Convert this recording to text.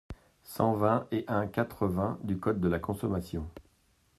cent vingt et un-quatre-vingts du code de la consommation.